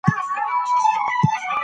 هر څوک خپل ځای خوندي کولو هڅه کوله.